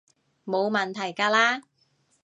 冇問題㗎喇